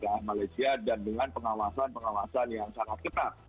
ke malaysia dan dengan pengawasan pengawasan yang sangat ketat